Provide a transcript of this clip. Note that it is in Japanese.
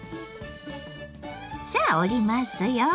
さあ折りますよ。